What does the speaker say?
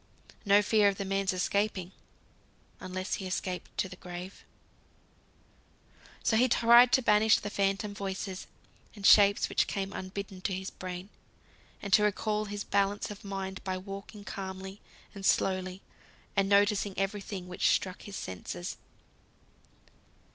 No fear of the man's escaping, unless he escaped to the grave. So he tried to banish the phantom voices and shapes which came unbidden to his brain, and to recall his balance of mind by walking calmly and slowly, and noticing every thing which struck his senses.